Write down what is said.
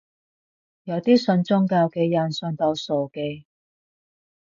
有啲信宗教嘅人信到傻嘅